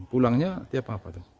pulangnya tiap apa